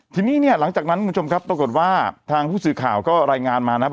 ทีนี้เนี่ยหลังจากนั้นคุณผู้ชมครับปรากฏว่าทางผู้สื่อข่าวก็รายงานมานะ